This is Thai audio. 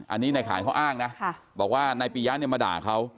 อันนี้ในขานเขาอ้างนะบอกว่านายปียะเนี่ยมาด่าเขา